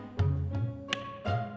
dan pake ariseoo